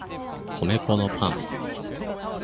米粉のパン